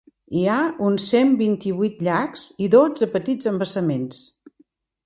Hi ha uns cent vint-i-vuit llacs i dotze petits embassaments.